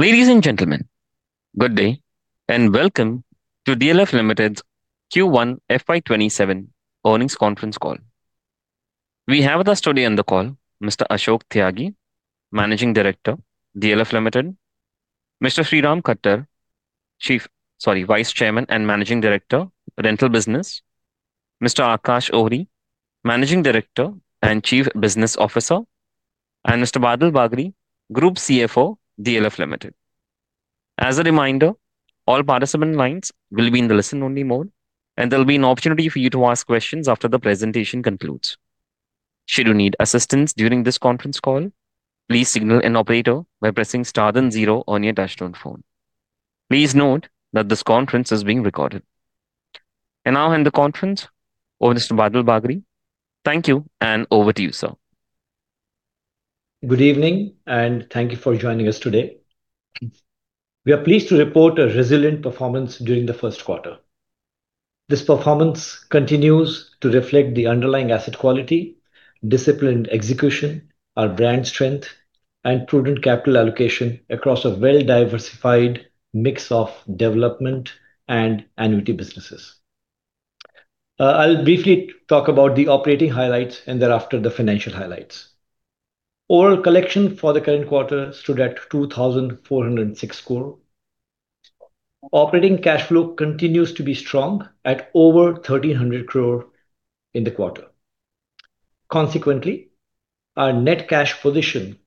Ladies and gentlemen, good day and welcome to DLF Limited's Q1 FY 2027 Earnings Conference Call. We have with us today on the call Mr. Ashok Tyagi, Managing Director, DLF Limited, Mr. Sriram Khattar, Vice Chairman and Managing Director, Rental Business, Mr. Aakash Ohri, Managing Director and Chief Business Officer, and Mr. Badal Bagri, Group CFO, DLF Limited. As a reminder, all participant lines will be in the listen-only mode, and there will be an opportunity for you to ask questions after the presentation concludes. Should you need assistance during this conference call, please signal an operator by pressing star then zero on your touchtone phone. Please note that this conference is being recorded. Now I hand the conference over Mr. Badal Bagri. Thank you, and over to you, sir. Good evening, thank you for joining us today. We are pleased to report a resilient performance during the first quarter. This performance continues to reflect the underlying asset quality, disciplined execution, our brand strength, and prudent capital allocation across a well-diversified mix of development and annuity businesses. I will briefly talk about the operating highlights and thereafter the financial highlights. Overall collection for the current quarter stood at 2,406 crore. Operating cash flow continues to be strong at over 1,300 crore in the quarter. Consequently, our net cash position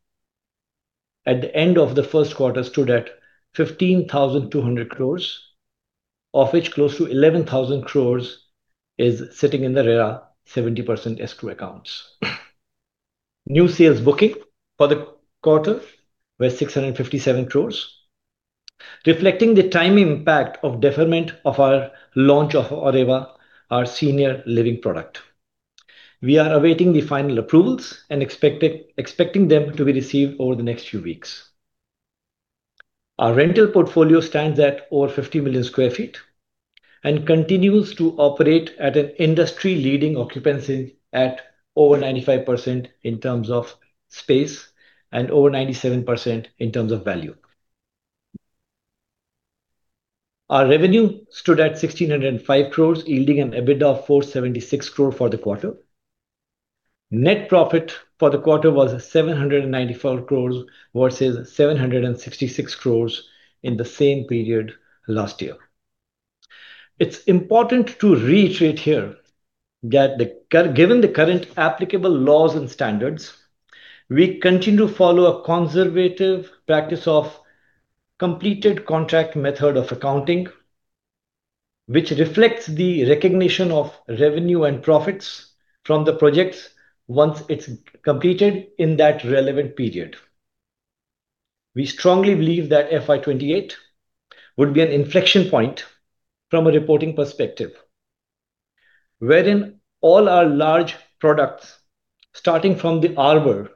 at the end of the first quarter stood at 15,200 crore, of which close to 11,000 crore is sitting in the RERA 70% escrow accounts. New sales booking for the quarter were 657 crore, reflecting the time impact of deferment of our launch of Arbour, our senior living product. We are awaiting the final approvals and expecting them to be received over the next few weeks. Our rental portfolio stands at over 50 million sq ft and continues to operate at an industry-leading occupancy at over 95% in terms of space and over 97% in terms of value. Our revenue stood at 1,605 crore, yielding an EBITDA of 476 crore for the quarter. Net profit for the quarter was 794 crore versus 766 crore in the same period last year. It is important to reiterate here that given the current applicable laws and standards, we continue to follow a conservative practice of completed contract method of accounting, which reflects the recognition of revenue and profits from the projects once it is completed in that relevant period. We strongly believe that FY 2028 would be an inflection point from a reporting perspective, wherein all our large products, starting from The Arbour,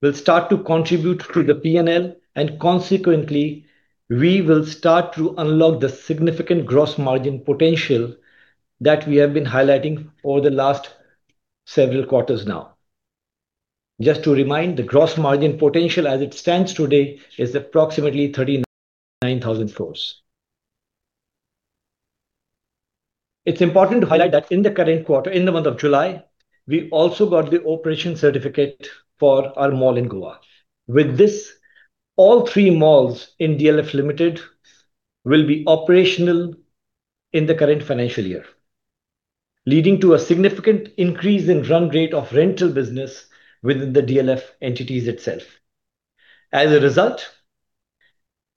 will start to contribute to the P&L, and consequently, we will start to unlock the significant gross margin potential that we have been highlighting over the last several quarters now. Just to remind, the gross margin potential as it stands today is approximately 39,000 crore. It is important to highlight that in the current quarter, in the month of July, we also got the operation certificate for our mall in Goa. With this, all three malls in DLF Limited will be operational in the current financial year, leading to a significant increase in run rate of rental business within the DLF entities itself. As a result,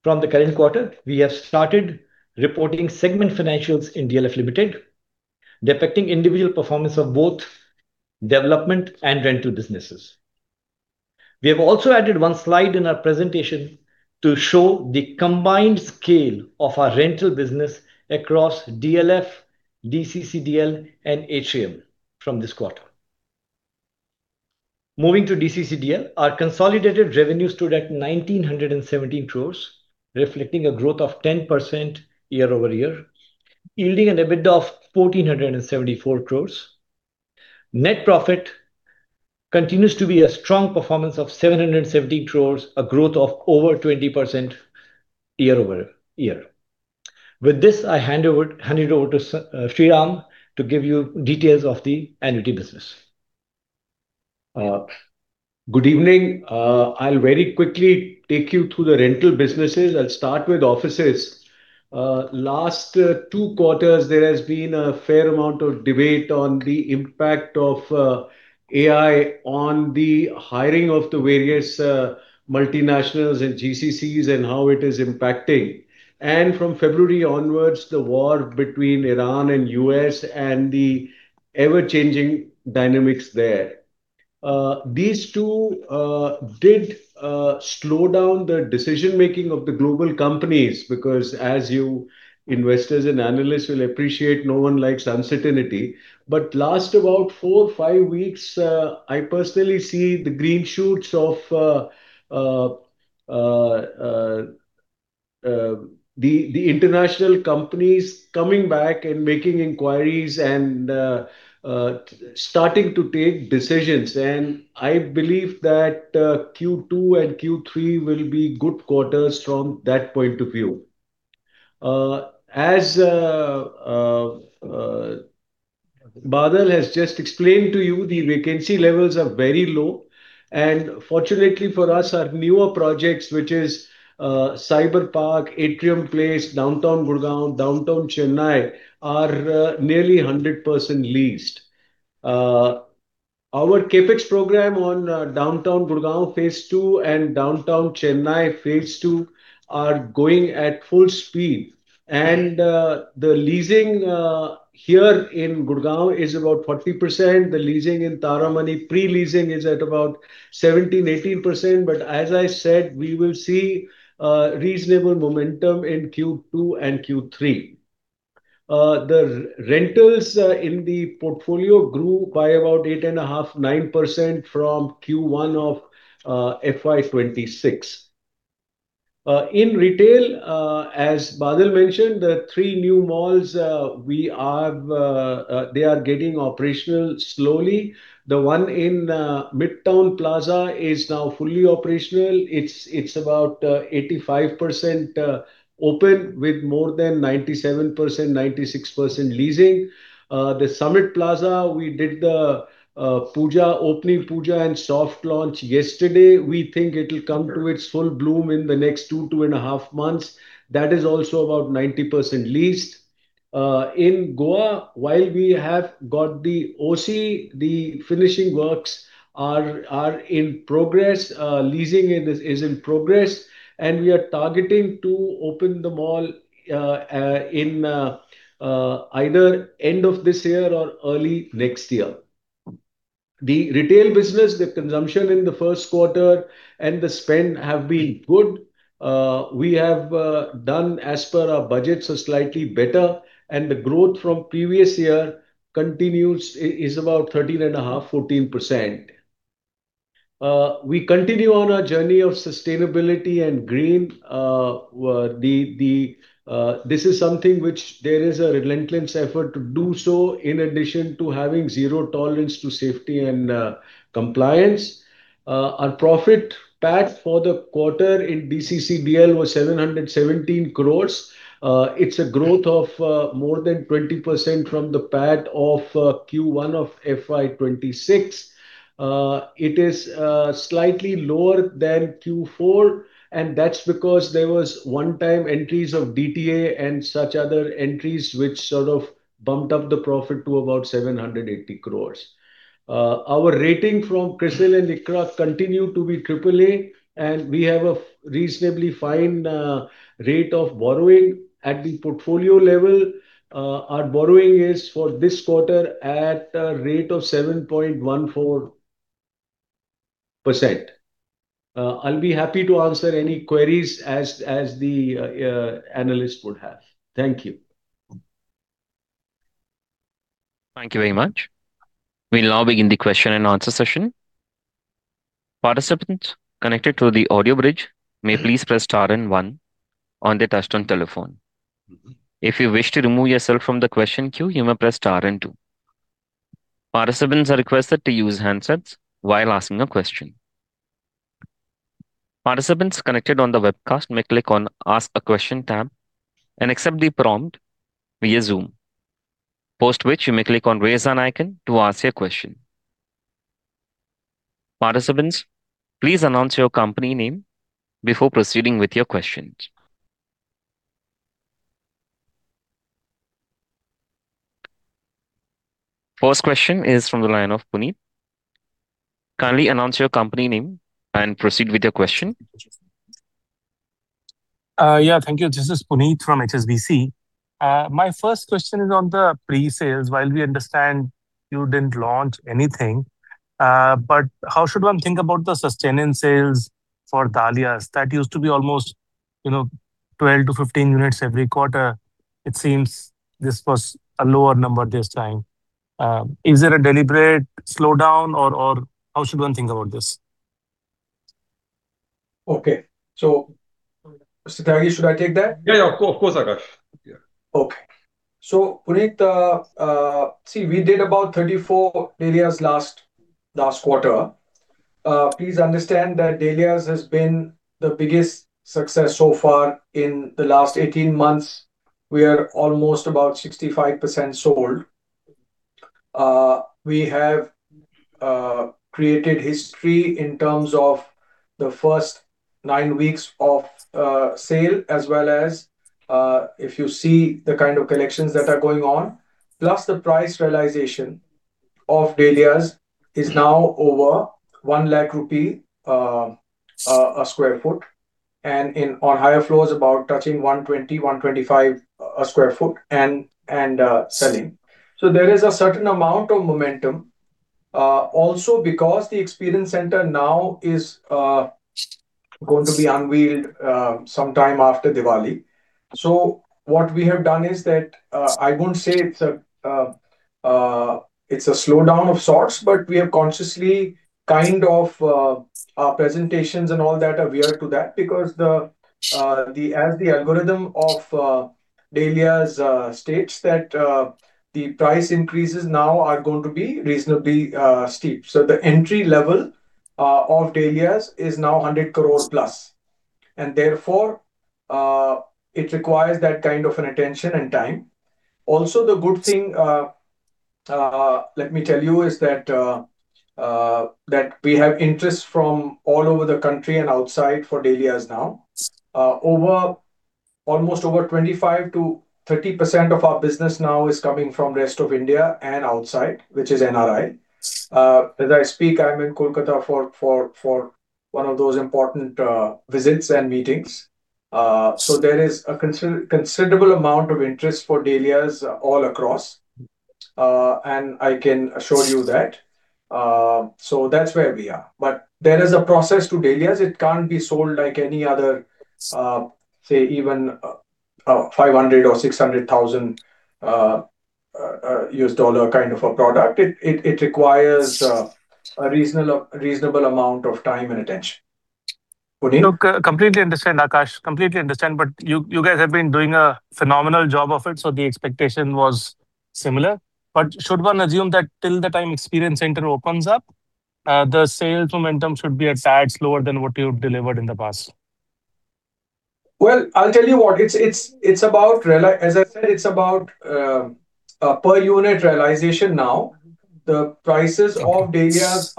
from the current quarter, we have started reporting segment financials in DLF Limited, depicting individual performance of both development and rental businesses. We have also added one slide in our presentation to show the combined scale of our rental business across DLF, DCCDL, and Atrium from this quarter. Moving to DCCDL, our consolidated revenue stood at 1,917 crore, reflecting a growth of 10% year-over-year, yielding an EBITDA of 1,474 crore. Net profit continues to be a strong performance of 717 crore, a growth of over 20% year-over-year. With this, I hand it over to Sriram to give you details of the annuity business. Good evening. I'll very quickly take you through the rental businesses. I'll start with offices. Last two quarters, there has been a fair amount of debate on the impact of AI on the hiring of the various multinationals and GCCs and how it is impacting. From February onwards, the war between Iran and U.S. and the ever-changing dynamics there. These two did slow down the decision-making of the global companies because as you investors and analysts will appreciate, no one likes uncertainty. Last about four, five weeks, I personally see the green shoots of the international companies coming back and making inquiries and starting to take decisions. I believe that Q2 and Q3 will be good quarters from that point of view. As Badal has just explained to you, the vacancy levels are very low, and fortunately for us, our newer projects, which is Cyber Park, Atrium Place, Downtown Gurgaon, Downtown Chennai, are nearly 100% leased. Our CapEx program on Downtown Gurgaon phase 2 and Downtown Chennai phase 2 are going at full speed. The leasing here in Gurgaon is about 40%. The leasing in Taramani, pre-leasing is at about 17%-18%, but as I said, we will see reasonable momentum in Q2 and Q3. The rentals in the portfolio grew by about 8.5%-9% from Q1 of FY 2026. In retail, as Badal mentioned, the three new malls, they are getting operational slowly. The one in Midtown Plaza is now fully operational. It's about 85% open with more than 97%-96% leasing. The Summit Plaza, we did the opening puja and soft launch yesterday. We think it'll come to its full bloom in the next 2.5 months. That is also about 90% leased. In Goa, while we have got the OC, the finishing works are in progress, leasing is in progress, and we are targeting to open the mall in either end of this year or early next year. The retail business, the consumption in the first quarter, and the spend have been good. We have done as per our budgets or slightly better, and the growth from previous year continues, is about 13.5%-14%. We continue on our journey of sustainability and green. This is something which there is a relentless effort to do so, in addition to having zero tolerance to safety and compliance. Our profit PAT for the quarter in DCCDL was 717 crore. It's a growth of more than 20% from the PAT of Q1 of FY 2026. It is slightly lower than Q4. That's because there was one-time entries of DTA and such other entries which sort of bumped up the profit to about 780 crore. Our rating from CRISIL and ICRA continue to be AAA. We have a reasonably fine rate of borrowing at the portfolio level. Our borrowing is for this quarter at a rate of 7.14%. I'll be happy to answer any queries as the analysts would have. Thank you. Thank you very much. We'll now begin the question and answer session. Participants connected to the audio bridge may please press star and one on their touchtone telephone. If you wish to remove yourself from the question queue, you may press star and two. Participants are requested to use handsets while asking a question. Participants connected on the webcast may click on Ask a Question tab and accept the prompt via Zoom. Post which, you may click on Raise Hand icon to ask your question. Participants, please announce your company name before proceeding with your questions. First question is from the line of Puneet. Kindly announce your company name and proceed with your question. Yeah, thank you. This is Puneet from HSBC. My first question is on the pre-sales. While we understand you didn't launch anything, how should one think about the sustaining sales for Dahlias? That used to be almost 12 to 15 units every quarter. It seems this was a lower number this time. Is it a deliberate slowdown, or how should one think about this? Okay. Mr. Tyagi, should I take that? Yeah. Of course, Aakash. Yeah. Okay. Puneet, see, we did about 34 Dahlias last quarter. Please understand that Dahlias has been the biggest success so far in the last 18 months. We are almost about 65% sold. We have created history in terms of the first nine weeks of sale, as well as if you see the kind of collections that are going on, plus the price realization of Dahlias is now over 1 lakh rupee a square foot, and on higher floors about touching 120, 125 a square foot and selling. There is a certain amount of momentum. Also because the experience center now is going to be unveiled sometime after Diwali. What we have done is that, I won't say it's a slowdown of sorts, but we have consciously, our presentations and all that are aware to that because as the algorithm of Dahlias states that the price increases now are going to be reasonably steep. The entry level of Dahlias is now 100 crore plus, and therefore, it requires that kind of an attention and time. Also, the good thing, let me tell you, is that we have interest from all over the country and outside for Dahlias now. Almost over 25%-30% of our business now is coming from rest of India and outside, which is NRI. As I speak, I'm in Kolkata for one of those important visits and meetings. There is a considerable amount of interest for Dahlias all across, and I can assure you that. That's where we are. There is a process to Dahlias. It can't be sold like any other, say, even $500,000 or $600,000 US dollar kind of a product. It requires a reasonable amount of time and attention. Puneet? Look, completely understand, Aakash. Completely understand. You guys have been doing a phenomenal job of it, so the expectation was similar. Should one assume that till the time experience center opens up, the sales momentum should be a tad slower than what you've delivered in the past? Well, I'll tell you what. As I said, it's about per unit realization now. The prices of Dahlias,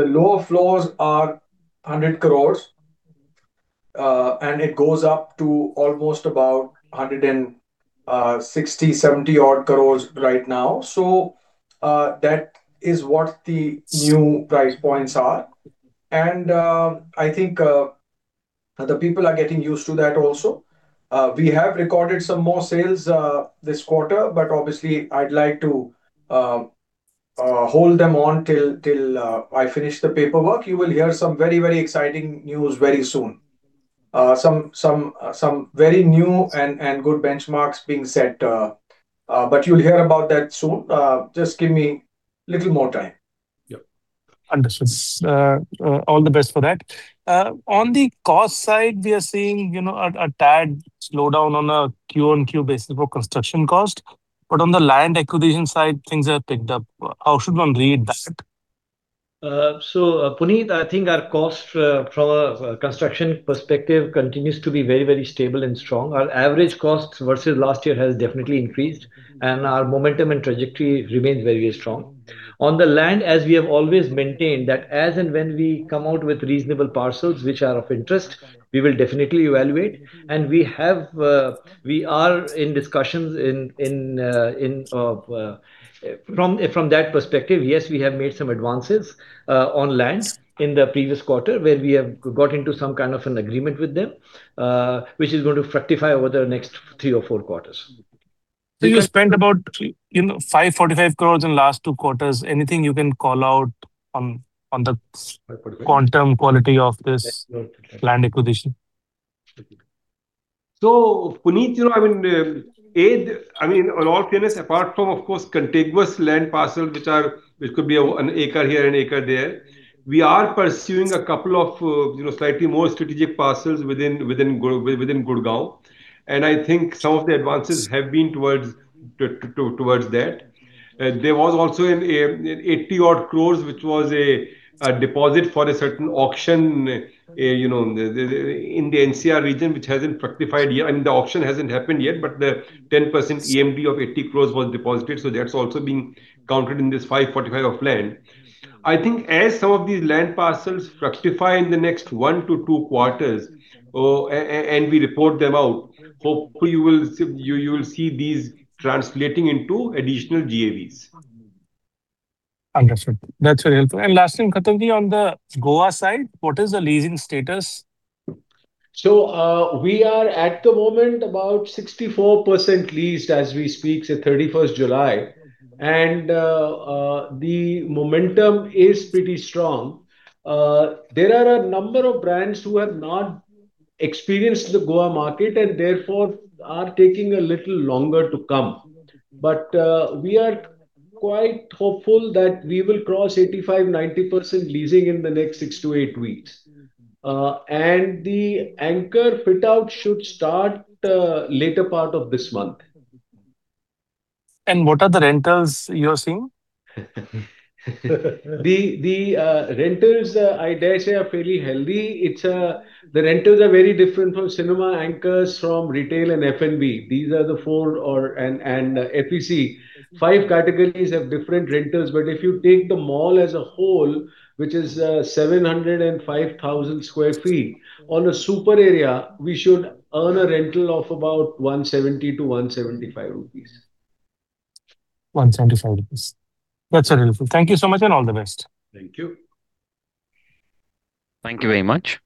the lower floors are 100 crore, and it goes up to almost about 160, 70 odd crore right now. That is what the new price points are, and I think the people are getting used to that also. We have recorded some more sales this quarter, but obviously, I'd like to hold them on till I finish the paperwork. You will hear some very exciting news very soon. Some very new and good benchmarks being set, but you'll hear about that soon. Just give me little more time. Yep. Understood. All the best for that. On the cost side, we are seeing a tad slowdown on a QoQ basis for construction cost, but on the land acquisition side, things have picked up. How should one read that? Puneet, I think our cost from a construction perspective continues to be very stable and strong. Our average costs versus last year has definitely increased. Our momentum and trajectory remains very strong. On the land, as we have always maintained that as and when we come out with reasonable parcels which are of interest, we will definitely evaluate. We are in discussions from that perspective. Yes, we have made some advances on land in the previous quarter where we have got into some kind of an agreement with them, which is going to fructify over the next three or four quarters. You spent about 545 crore in last two quarters. Anything you can call out on the quantum quality of this land acquisition? Puneet, in all fairness, apart from, of course, contiguous land parcels, which could be an acre here and acre there, we are pursuing a couple of slightly more strategic parcels within Gurgaon. I think some of the advances have been towards that. There was also an 80 odd crore, which was a deposit for a certain auction, in the NCR region. The auction hasn't happened yet, but the 10% EMD of 80 crore was deposited. That's also being counted in this 545 of land. I think as some of these land parcels fructify in the next one to two quarters, we report them out, hopefully you will see these translating into additional GAVs. Understood. That's very helpful. Last thing, Khattar on the Goa side, what is the leasing status? We are, at the moment, about 64% leased as we speak, 31st July. The momentum is pretty strong. There are a number of brands who have not experienced the Goa market, and therefore, are taking a little longer to come. We are quite hopeful that we will cross 85%-90% leasing in the next six to eight weeks. The anchor fit-out should start later part of this month. What are the rentals you're seeing? The rentals, I dare say, are fairly healthy. The rentals are very different from cinema anchors, from retail, and F&B. Five categories have different rentals, but if you take the mall as a whole, which is 705,000 square feet, on a super area, we should earn a rental of about 170-175 rupees. 175 rupees. That's very helpful. Thank you so much, and all the best. Thank you. Thank you very much.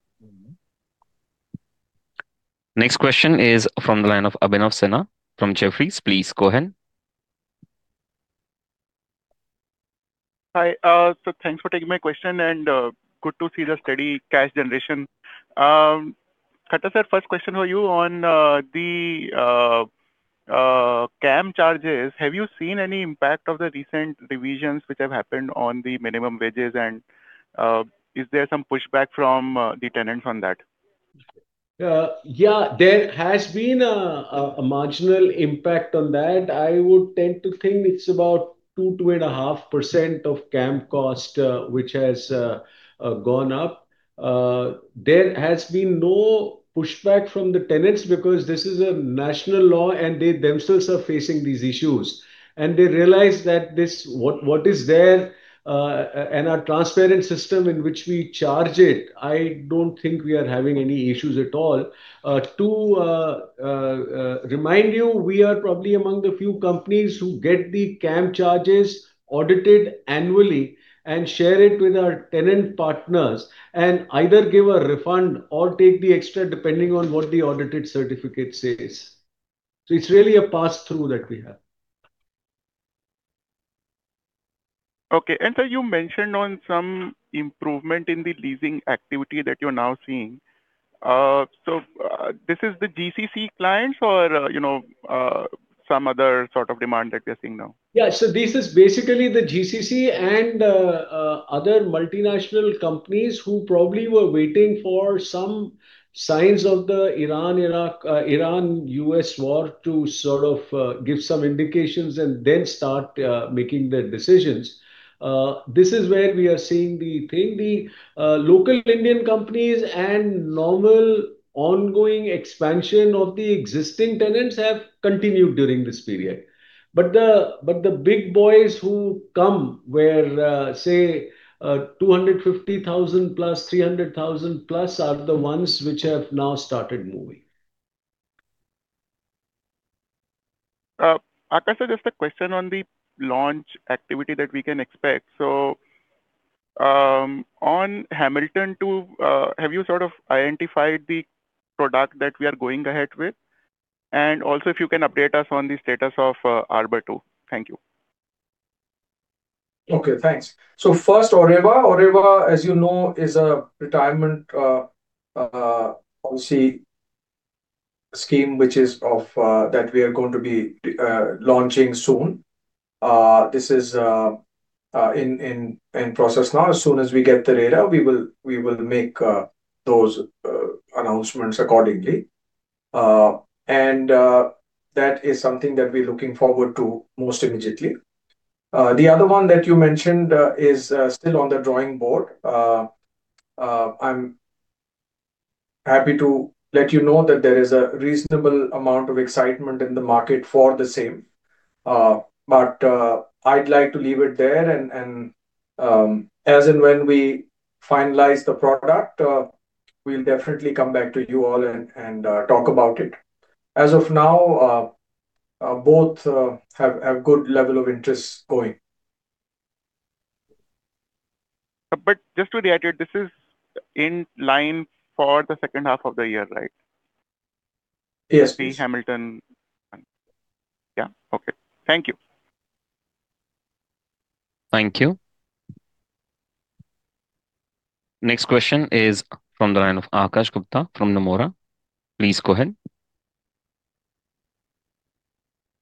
Next question is from the line of Abhinav Sinha from Jefferies. Please go ahead. Hi. Thanks for taking my question and good to see the steady cash generation. Khattar sir, first question for you on the CAM charges. Have you seen any impact of the recent revisions which have happened on the minimum wages and is there some pushback from the tenants on that? Yeah. There has been a marginal impact on that. I would tend to think it's about 2.5% of CAM cost which has gone up. There has been no pushback from the tenants because this is a national law, and they themselves are facing these issues. They realize that what is there, and our transparent system in which we charge it, I don't think we are having any issues at all. To remind you, we are probably among the few companies who get the CAM charges audited annually and share it with our tenant partners, and either give a refund or take the extra depending on what the audited certificate says. It's really a passthrough that we have. Okay. Sir, you mentioned on some improvement in the leasing activity that you're now seeing. This is the GCC clients or some other sort of demand that we are seeing now? Yeah. This is basically the GCC and other multinational companies who probably were waiting for some signs of the Iran-U.S. war to sort of give some indications and then start making their decisions. This is where we are seeing the thing. The local Indian companies and normal ongoing expansion of the existing tenants have continued during this period. The big boys who come where, say, 250,000+, 300,000+, are the ones which have now started moving. Aakash, just a question on the launch activity that we can expect. On Hamilton 2, have you sort of identified the product that we are going ahead with? Also if you can update us on the status of Arbour 2. Thank you. Okay, thanks. First, Arbour, Arbour as you know, is a retirement policy scheme that we are going to be launching soon. This is in process now. As soon as we get the data, we will make those announcements accordingly. That is something that we're looking forward to most immediately. The other one that you mentioned is still on the drawing board. I'm happy to let you know that there is a reasonable amount of excitement in the market for the same. I'd like to leave it there, and as and when we finalize the product, we'll definitely come back to you all and talk about it. As of now, both have good level of interest going. Just to reiterate, this is in line for the second half of the year, right? Yes. The Hamilton. Yeah. Okay. Thank you. Thank you. Next question is from the line of Akash Gupta from Nomura. Please go ahead.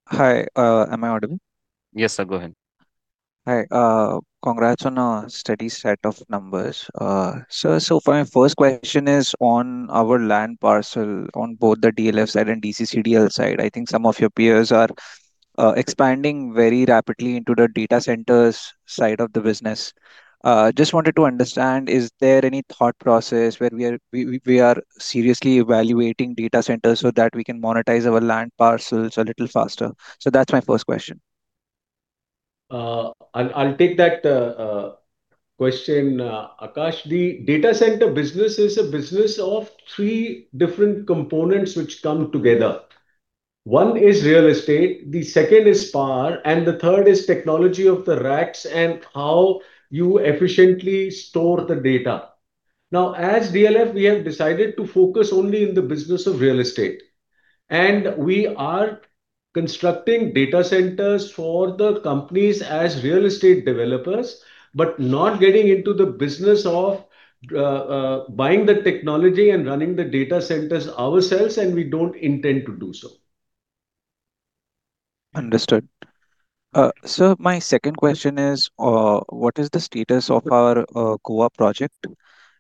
Hi. Am I audible? Yes, sir. Go ahead. Hi. Congrats on a steady set of numbers. Sir, so far my first question is on our land parcel on both the DLF and DCCDL side. I think some of your peers are expanding very rapidly into the data centers side of the business. Just wanted to understand, is there any thought process where we are seriously evaluating data centers so that we can monetize our land parcels a little faster? That's my first question. I'll take that question, Akash. The data center business is a business of three different components which come together. One is real estate, the second is power, and the third is technology of the racks and how you efficiently store the data. Now, as DLF, we have decided to focus only in the business of real estate. We are constructing data centers for the companies as real estate developers, but not getting into the business of buying the technology and running the data centers ourselves, and we don't intend to do so. Understood. Sir, my second question is, what is the status of our Goa project?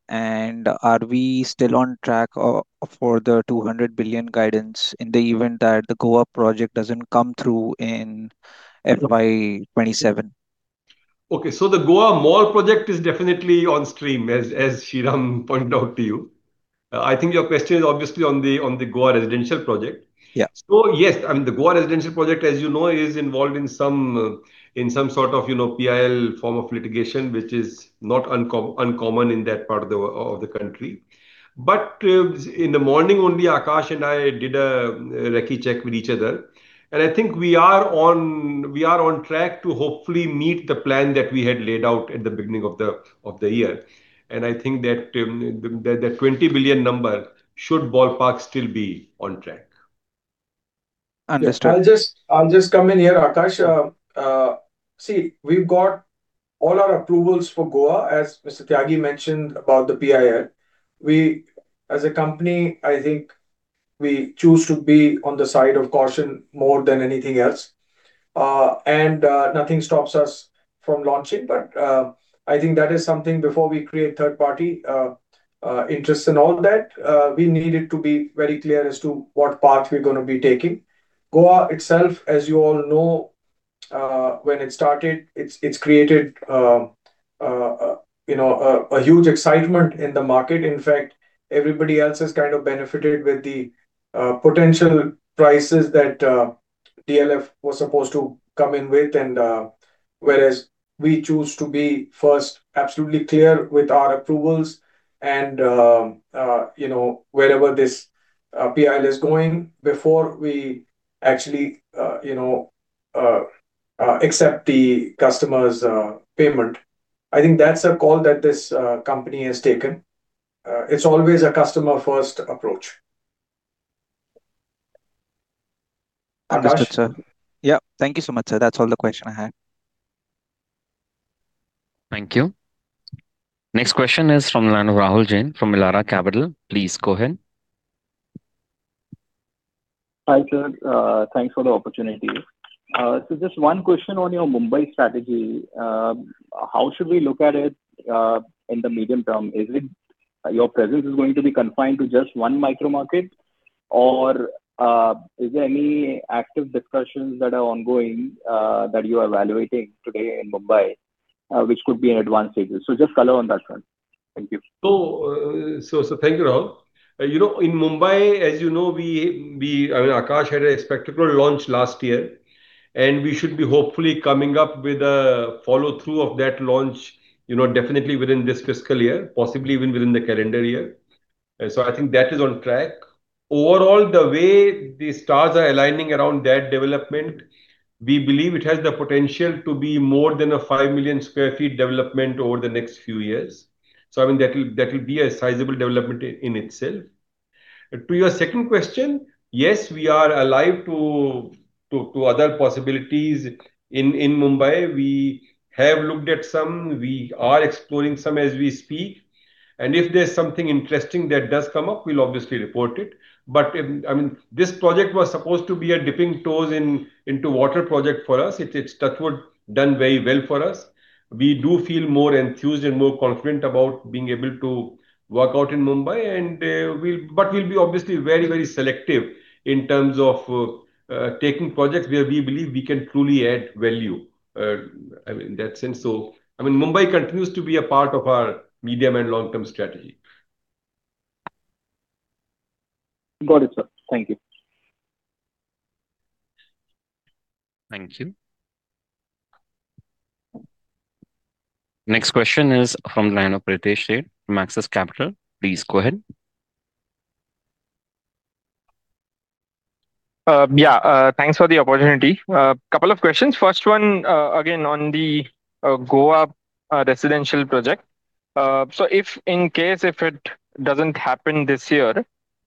Are we still on track for the 200 billion guidance in the event that the Goa project doesn't come through in FY 2027? The Goa Mall project is definitely on stream, as Sriram pointed out to you. I think your question is obviously on the Goa residential project. Yeah. Yes, I mean, the Goa residential project, as you know, is involved in some sort of PIL form of litigation, which is not uncommon in that part of the country. In the morning only, Aakash and I did a recce check with each other, and I think we are on track to hopefully meet the plan that we had laid out at the beginning of the year. I think that the 20 billion number should ballpark still be on track. Understood. I'll just come in here, Akash. See, we've got all our approvals for Goa, as Mr. Tyagi mentioned about the PIL. We, as a company, I think we choose to be on the side of caution more than anything else. Nothing stops us from launching. I think that is something, before we create third party interest and all that, we needed to be very clear as to what path we're going to be taking. Goa itself, as you all know, when it started, it's created a huge excitement in the market. In fact, everybody else has kind of benefited with the potential prices that DLF was supposed to come in with. Whereas we choose to be first absolutely clear with our approvals and wherever this PIL is going before we actually accept the customer's payment. I think that's a call that this company has taken. It's always a customer first approach. Akash? Understood, sir. Yeah. Thank you so much, sir. That's all the question I had. Thank you. Next question is from the line of Rahul Jain, from Elara Capital. Please go ahead. Hi, sir. Thanks for the opportunity. Just one question on your Mumbai strategy. How should we look at it in the medium term? Is it your presence is going to be confined to just one micro market, or are there any active discussions that are ongoing, that you are evaluating today in Mumbai, which could be an advanced stage? Just color on that front. Thank you. Thank you, Rahul. In Mumbai, as you know, Aakash had a spectacular launch last year, we should be hopefully coming up with a follow-through of that launch definitely within this fiscal year, possibly even within the calendar year. I think that is on track. Overall, the way the stars are aligning around that development, we believe it has the potential to be more than a 5 million square feet development over the next few years. That will be a sizable development in itself. To your second question, yes, we are alive to other possibilities in Mumbai. We have looked at some, we are exploring some as we speak, and if there's something interesting that does come up, we'll obviously report it. This project was supposed to be a dipping toes into water project for us. That would have done very well for us. We do feel more enthused and more confident about being able to work out in Mumbai, but we'll be obviously very, very selective in terms of taking projects where we believe we can truly add value. In that sense, Mumbai continues to be a part of our medium and long-term strategy. Got it, sir. Thank you. Thank you. Next question is from the line of Pritesh Sheth, from Axis Capital. Please go ahead. Yeah. Thanks for the opportunity. Couple of questions. First one, again on the Goa residential project. If in case it doesn't happen this year,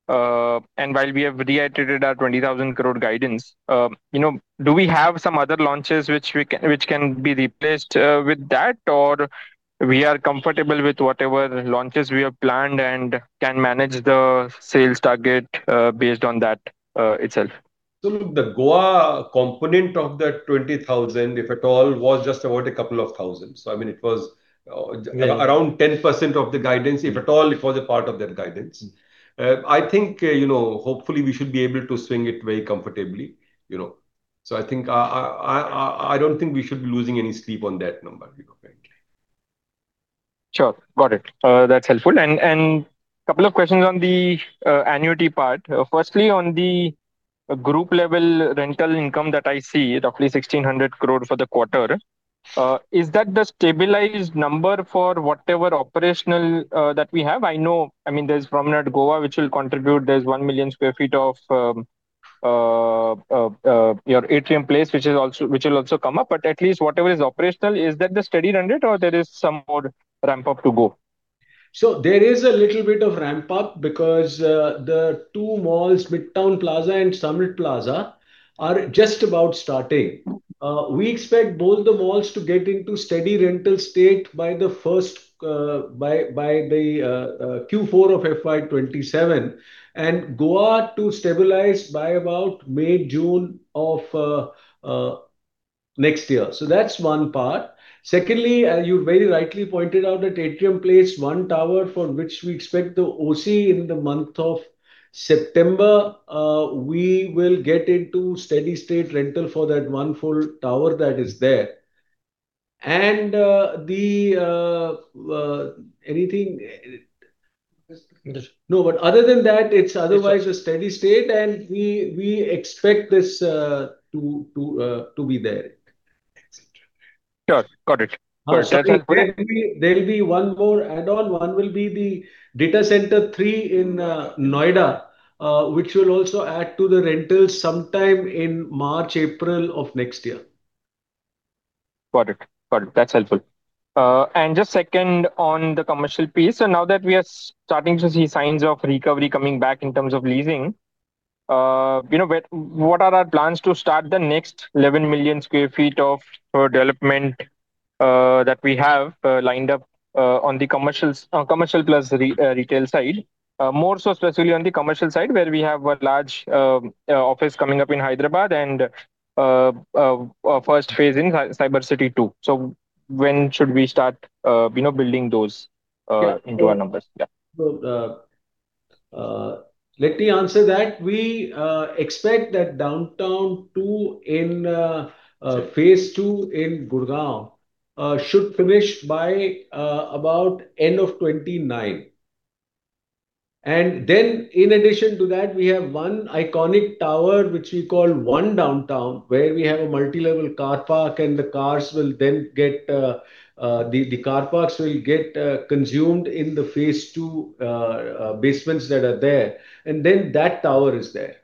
and while we have reiterated our 20,000 crore guidance, do we have some other launches which can be replaced with that, or we are comfortable with whatever launches we have planned and can manage the sales target based on that itself? Look, the Goa component of that 20,000, if at all, was just about a couple of thousands. It was around 10% of the guidance, if at all, it was a part of that guidance. I think, hopefully we should be able to swing it very comfortably. I don't think we should be losing any sleep on that number frankly. Sure. Got it. That's helpful. Couple of questions on the annuity part. Firstly, on the group level rental income that I see, roughly 1,600 crore for the quarter. Is that the stabilized number for whatever operational that we have? I know there's Promenade Goa, which will contribute. There's 1 million square feet of your Atrium Place, which will also come up, but at least whatever is operational, is that the steady rent or there is some more ramp up to go? There is a little bit of ramp up because the two malls, Midtown Plaza and Summit Plaza, are just about starting. We expect both the malls to get into steady rental state by the Q4 of FY 2027, and Goa to stabilize by about May, June of next year. That's one part. Secondly, you very rightly pointed out that Atrium Place, one tower for which we expect the OC in the month of September, we will get into steady state rental for that one full tower that is there. Yes. Other than that, it's otherwise a steady state and we expect this to be there. Excellent. Sure. Got it. That's great. There'll be one more add-on. One will be the data center three in Noida, which will also add to the rentals sometime in March, April of next year. Got it. That's helpful. Just second on the commercial piece, now that we are starting to see signs of recovery coming back in terms of leasing, what are our plans to start the next 11 million sq ft of development that we have lined up on the commercial plus retail side? More so specifically on the commercial side, where we have a large office coming up in Hyderabad and our first phase in Cyber City 2. When should we start building those into our numbers? Let me answer that. We expect that Downtown 2 in phase 2 in Gurgaon should finish by about end of 2029. Then in addition to that, we have one iconic tower, which we call One Downtown, where we have a multi-level car park, and the car parks will get consumed in the phase 2 basements that are there. Then that tower is there.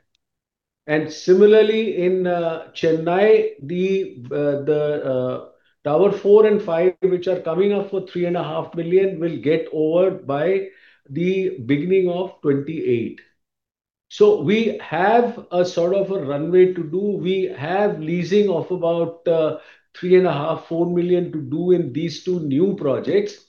Similarly, in Chennai, the Tower 4 and 5, which are coming up for 3.5 million, will get over by the beginning of 2028. We have a sort of a runway to do. We have leasing of about 3.5 million, 4 million to do in these two new projects.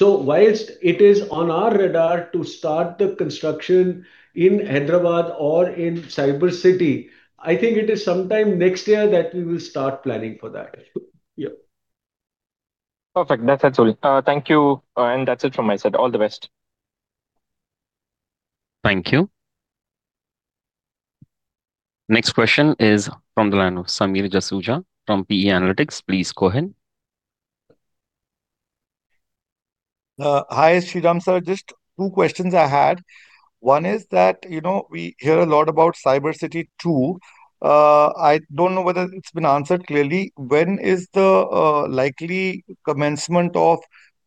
Whilst it is on our radar to start the construction in Hyderabad or in Cybercity, I think it is sometime next year that we will start planning for that. Yeah. Perfect. That's absolutely. Thank you. That's it from my side. All the best. Thank you. Next question is from the line of Samir Jasuja from P.E. Analytics. Please go ahead. Hi, Sriram sir, just two questions I had. One is that, we hear a lot about Cyber City 2. I don't know whether it's been answered clearly. When is the likely commencement of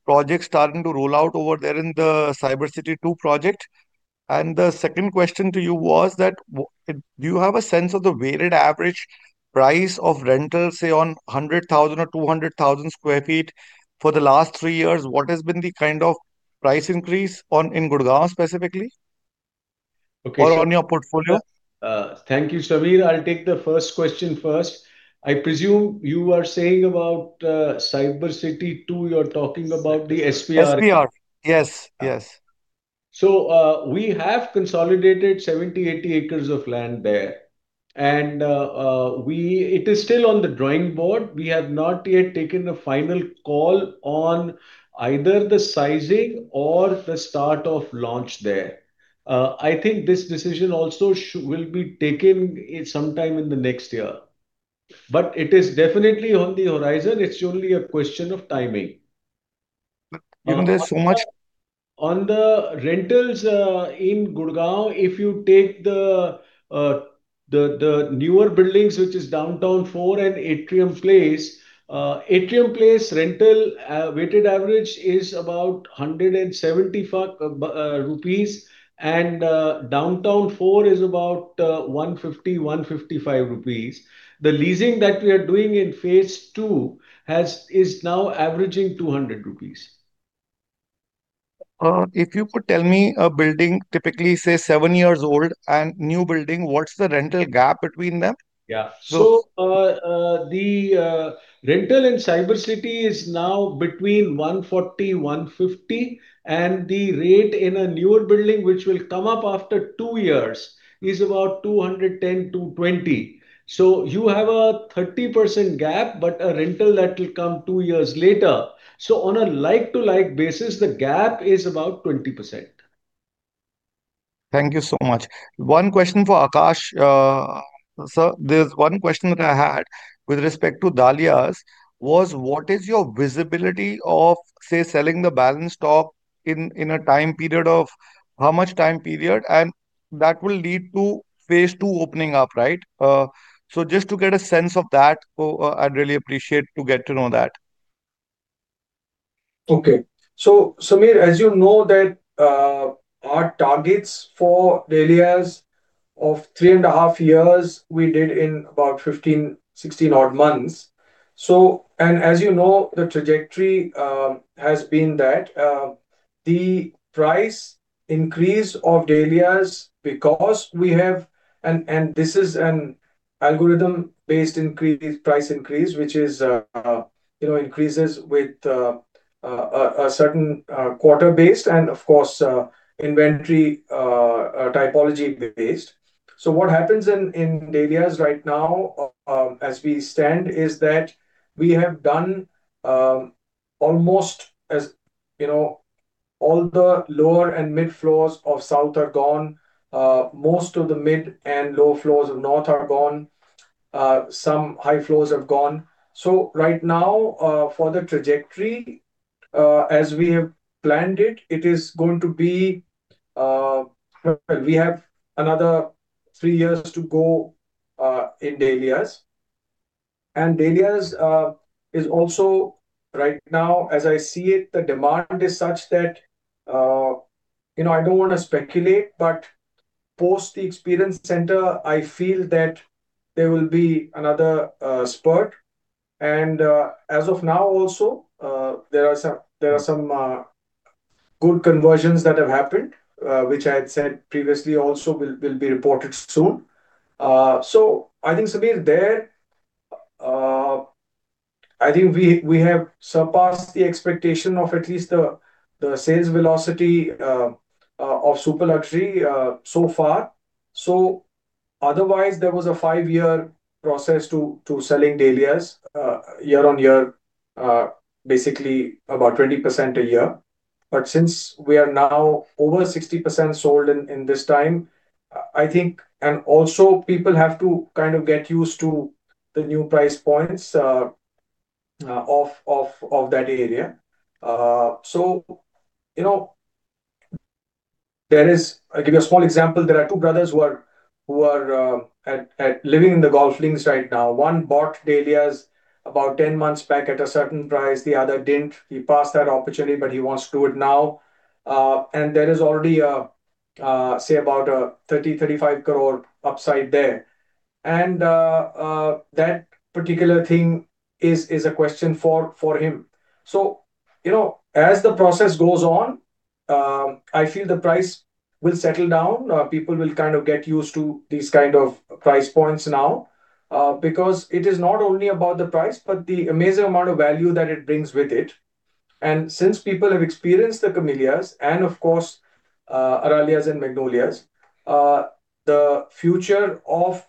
projects starting to roll out over there in the Cyber City 2 project? The second question to you was that do you have a sense of the weighted average price of rental, say, on 100,000 or 200,000 square feet for the last three years? What has been the kind of price increase in Gurgaon specifically- Okay. or on your portfolio? Thank you, Samir. I'll take the first question first. I presume you are saying about Cyber City 2, you're talking about the SPR. SPR. Yes. We have consolidated 70, 80 acres of land there. It is still on the drawing board. We have not yet taken a final call on either the sizing or the start of launch there. I think this decision also will be taken sometime in the next year. It is definitely on the horizon. It's only a question of timing. Given there's so much- On the rentals in Gurgaon, if you take the newer buildings, which is Downtown 4 and Atrium Place, Atrium Place rental weighted average is about 175 rupees, and Downtown 4 is about 150, 155 rupees. The leasing that we are doing in phase 2 is now averaging 200 rupees. If you could tell me a building typically, say, seven years old and new building, what's the rental gap between them? Yeah. The rental in Cybercity is now between 140, 150, and the rate in a newer building, which will come up after two years, is about 210, 220. You have a 30% gap, but a rental that will come two years later. On a like-to-like basis, the gap is about 20%. Thank you so much. One question for Aakash. Sir, there's one question that I had with respect to Dahlias was, what is your visibility of, say, selling the balance stock in a time period of how much time period? That will lead to phase 2 opening up, right? Just to get a sense of that, I'd really appreciate to get to know that. Okay. Samir, as you know that our targets for Dahlias of 3.5 years, we did in about 15, 16 odd months. As you know, the trajectory has been that the price increase of Dahlias, because we have this is an algorithm-based price increase, which increases with a certain quarter base and, of course, inventory typology based. What happens in Dahlias right now as we stand is that we have done almost all the lower and mid floors of south are gone. Most of the mid and low floors of north are gone. Some high floors have gone. Right now, for the trajectory, as we have planned it, we have another three years to go in Dahlias. Dahlias is also, right now, as I see it, the demand is such that, I don't want to speculate, but post the experience center, I feel that there will be another spurt. As of now also, there are some good conversions that have happened, which I had said previously also will be reported soon. I think, Samir, there we have surpassed the expectation of at least the sales velocity of super luxury so far. Otherwise, there was a five-year process to selling Dahlias, year-on-year, basically about 20% a year. Since we are now over 60% sold in this time, I think, and also people have to kind of get used to the new price points of that area. I'll give you a small example. There are two brothers who are living in the Golf Links right now. One bought Dahlias about 10 months back at a certain price. The other didn't. He passed that opportunity, but he wants to do it now. There is already, say about 30, 35 crore upside there. That particular thing is a question for him. As the process goes on, I feel the price will settle down. People will kind of get used to these kind of price points now, because it is not only about the price, but the amazing amount of value that it brings with it. Since people have experienced The Camellias and, of course, Aralias and Magnolias, the future of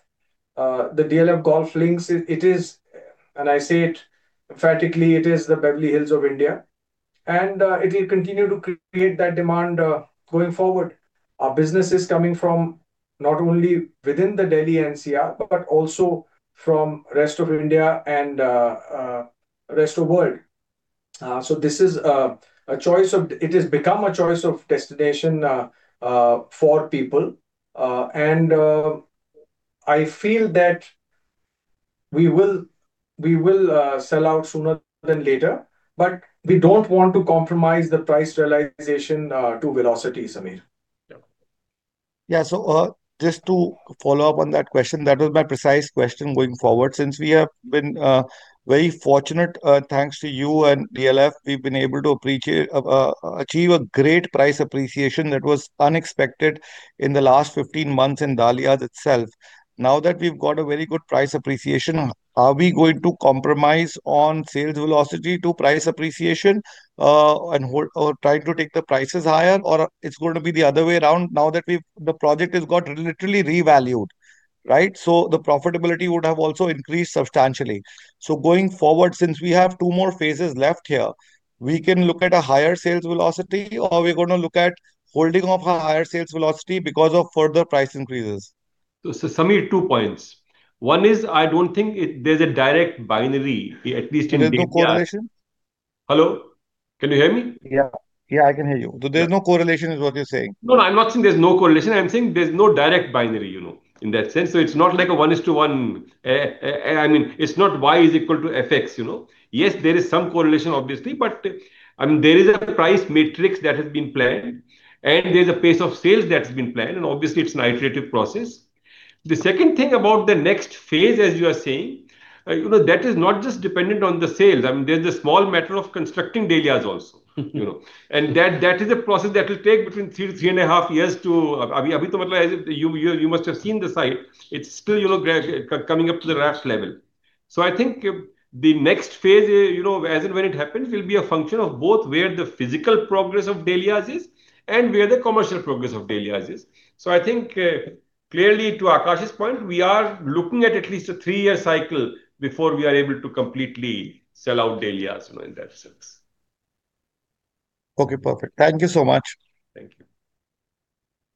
the DLF Golf Links, and I say it emphatically, it is the Beverly Hills of India, and it will continue to create that demand going forward. Our business is coming from not only within the Delhi NCR, but also from rest of India and rest of world. It has become a choice of destination for people. I feel that we will sell out sooner than later, but we don't want to compromise the price realization to velocity, Samir. Yeah. Just to follow up on that question, that was my precise question going forward. Since we have been very fortunate, thanks to you and DLF, we've been able to achieve a great price appreciation that was unexpected in the last 15 months in Dahlias itself. Now that we've got a very good price appreciation, are we going to compromise on sales velocity to price appreciation, or try to take the prices higher? It's going to be the other way around now that the project has got literally revalued, right? The profitability would have also increased substantially. Going forward, since we have two more phases left here, we can look at a higher sales velocity, or we're going to look at holding off higher sales velocity because of further price increases? Samir, two points. One is, I don't think there's a direct binary, at least in The Dahlias. There's no correlation? Hello? Can you hear me? Yeah, I can hear you. Okay. There's no correlation is what you're saying. No, I'm not saying there's no correlation. I'm saying there's no direct binary, in that sense. It's not like a 1:1. It's not Y is equal to FX. Yes, there is some correlation, obviously, but there is a price matrix that has been planned, and there's a pace of sales that's been planned, and obviously it's an iterative process. The second thing about the next phase, as you are saying, that is not just dependent on the sales. There's the small matter of constructing Dahlias also. That is a process that will take between 3 to 3.5 years to [inaudible] You must have seen the site. It's still coming up to the raft level. I think the next phase, as and when it happens, will be a function of both where the physical progress of Dahlias is and where the commercial progress of Dahlias is. I think, clearly to Aakash's point, we are looking at least a three-year cycle before we are able to completely sell out Dahlias, in that sense. Okay, perfect. Thank you so much. Thank you.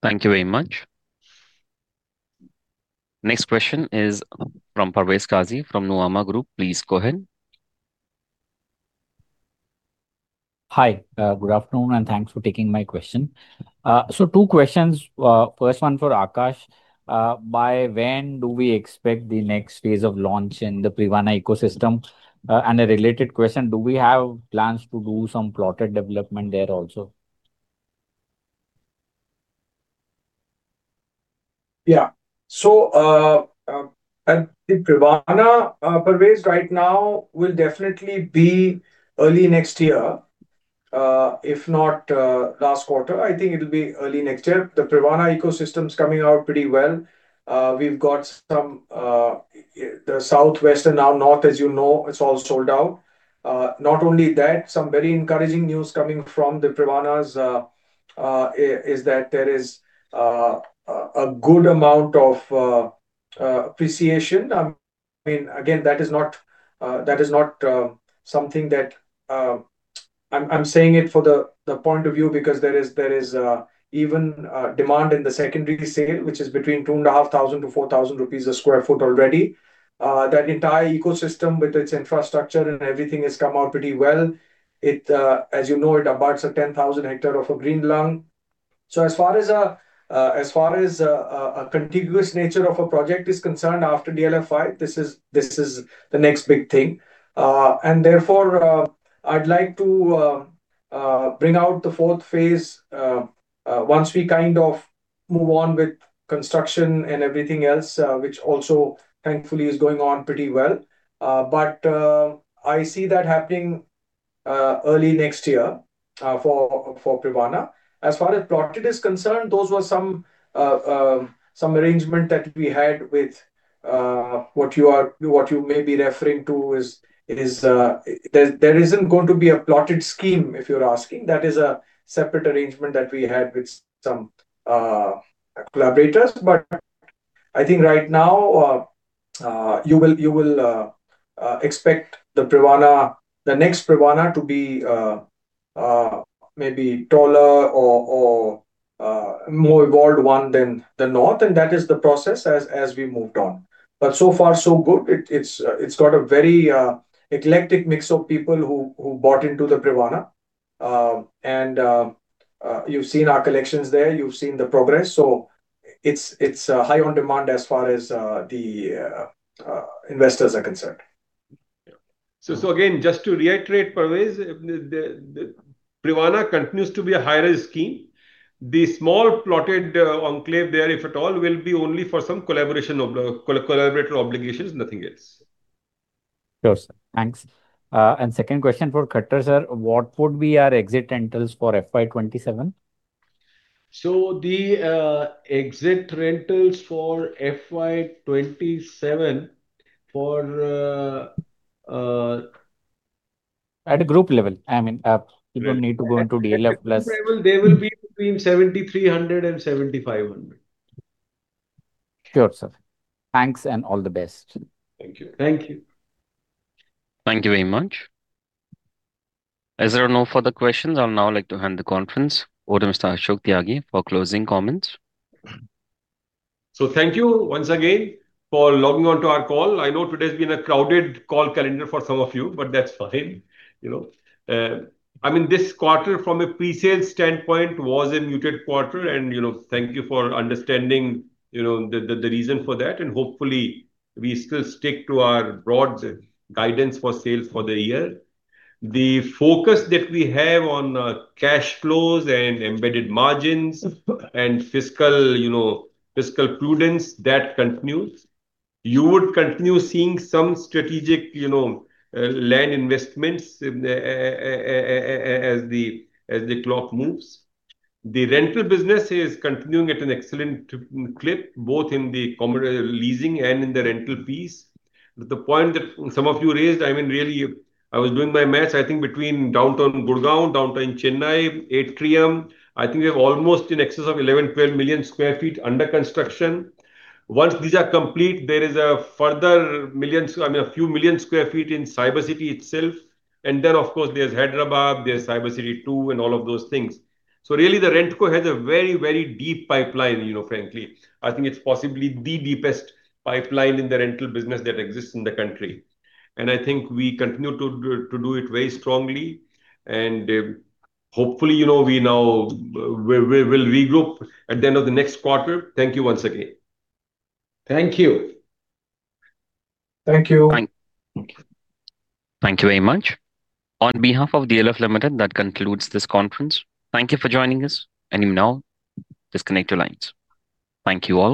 Thank you very much. Next question is from Parvez Qazi from Nuvama Group. Please go ahead. Hi, good afternoon and thanks for taking my question. Two questions. First one for Aakash. By when do we expect the next phase of launch in the Privana ecosystem? A related question, do we have plans to do some plotted development there also? Yeah. The Privana, Parvez, right now will definitely be early next year. If not last quarter, I think it'll be early next year. The Privana ecosystem's coming out pretty well. We've got the southwestern, now north, as you know, it's all sold out. Not only that, some very encouraging news coming from the Privanas, is that there is a good amount of appreciation. Again, that is not something that I'm saying it for the point of view because there is even demand in the secondary sale, which is between 2,500-4,000 rupees a square foot already. That entire ecosystem with its infrastructure and everything has come out pretty well. As you know, it abuts a 10,000 hectares of a green land. As far as a contiguous nature of a project is concerned after DLF 5, this is the next big thing. Therefore, I'd like to bring out the fourth phase once we move on with construction and everything else, which also thankfully is going on pretty well. I see that happening early next year for Privana. As far as plotted is concerned, those were some arrangement that we had with what you may be referring to is, there isn't going to be a plotted scheme, if you're asking. That is a separate arrangement that we had with some collaborators. I think right now, you will expect the next Privana to be maybe taller or more evolved one than the north, and that is the process as we moved on. So far so good. It's got a very eclectic mix of people who bought into the Privana. You've seen our collections there, you've seen the progress. It's high on demand as far as the investors are concerned. Again, just to reiterate, Parvez, Privana continues to be a high-risk scheme. The small plotted enclave there, if at all, will be only for some collaborator obligations, nothing else. Sure, sir. Thanks. Second question for Khattar, sir. What would be our exit rentals for FY 2027? The exit rentals for FY 2027. At a group level. You don't need to go into DLF plus. They will be between 7,300 and 7,500. Sure, sir. Thanks and all the best. Thank you. Thank you. Thank you very much. As there are no further questions, I would now like to hand the conference over to Mr. Ashok Tyagi for closing comments. Thank you once again for logging on to our call. I know today's been a crowded call calendar for some of you, that's fine. This quarter from a pre-sale standpoint was a muted quarter, thank you for understanding the reason for that. Hopefully, we still stick to our broad guidance for sales for the year. The focus that we have on cash flows and embedded margins and fiscal prudence, that continues. You would continue seeing some strategic land investments as the clock moves. The rental business is continuing at an excellent clip, both in the commercial leasing and in the rental piece. The point that some of you raised, really, I was doing my math, I think between Downtown Gurgaon, Downtown Chennai, Atrium, I think we have almost in excess of 11, 12 million square feet under construction. Once these are complete, there is a further few million square feet in Cyber City itself. Of course, there's Hyderabad, there's Cyber City 2 and all of those things. Really, the Rentco has a very deep pipeline, frankly. I think it's possibly the deepest pipeline in the rental business that exists in the country. I think we continue to do it very strongly, hopefully, we now will regroup at the end of the next quarter. Thank you once again. Thank you. Thank you. Thank you. Thank you very much. On behalf of DLF Limited, that concludes this conference. Thank you for joining us. You may now disconnect your lines. Thank you all.